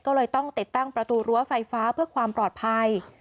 ก็เลยต้องติดตั้งประตูรั้วไฟฟ้าเพื่อความปลอดภัย